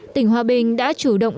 tỉnh hòa bình đã chủ động